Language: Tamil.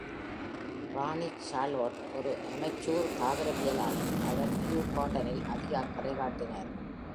ராணி சார்லோட் ஒரு அமெச்சூர் தாவரவியலாளர், அவர் கியூ கார்டனில் அதிக அக்கறை காட்டினார்.